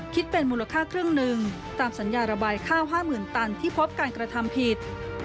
คิดเป็นมูลค่าครึ่งหนึ่งตามสัญญาระบายข้าว๕๐๐๐ตันที่พบการกระทำผิด